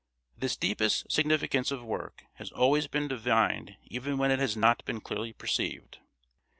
This deepest significance of work has always been divined even when it has not been clearly perceived.